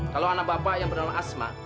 kalau anak bapak yang bernama asma